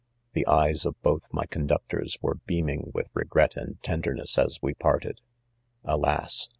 — The eyes of both \ my ..conductors were 1 learn ing with regret and tenderness as we parted* Alas